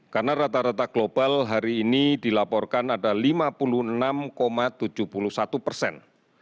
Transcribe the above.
karena rata rata global hari ini dilaporkan ada lima puluh enam tujuh puluh satu persen